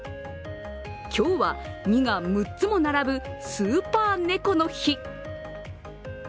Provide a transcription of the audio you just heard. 今日は２が６つも並ぶスーパー猫の日。